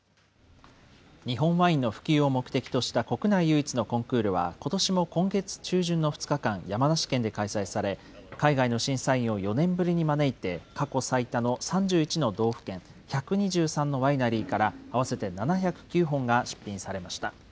日本ワインの普及を目的とした国内唯一のコンクールは、ことしも今月中旬の２日間、山梨県で開催され、海外の審査員を４年ぶりに招いて、過去最多の３１の道府県、１２３のワイナリーから合わせて７０９本が出品されました。